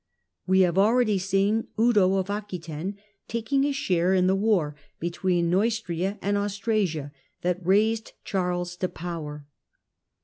We have already seen Eudo of Aquetaine taking a share in the war between Neustria and Austrasia that raised Charles to power.